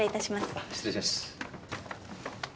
あ失礼します。